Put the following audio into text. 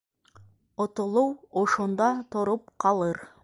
Отолоу ошонда тороп ҡалыр.